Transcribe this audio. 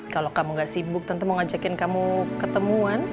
kalau kamu gak sibuk tentu mau ngajakin kamu ketemuan